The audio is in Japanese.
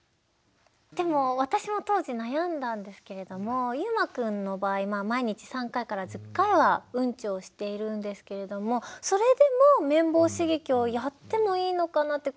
でも私も当時悩んだんですけれどもゆうまくんの場合毎日３回から１０回はウンチをしているんですけれどもそれでも綿棒刺激をやってもいいのかなって。